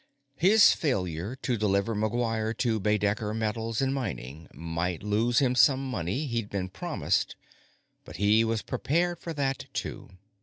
His failure to deliver McGuire to Baedecker Metals & Mining might lose him some of the money he'd been promised, but he was prepared for that, too.